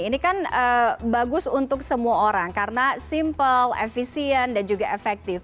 ini kan bagus untuk semua orang karena simple efisien dan juga efektif